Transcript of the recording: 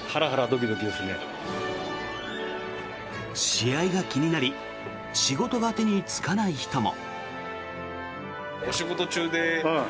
試合が気になり仕事が手につかない人も。